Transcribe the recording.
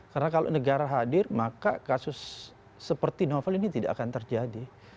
karena kalau negara hadir maka kasus seperti novel ini tidak akan terjadi